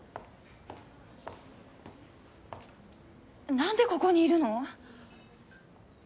何でここにいるの？